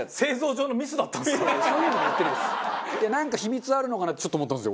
なんか秘密あるのかなってちょっと思ったんですよ。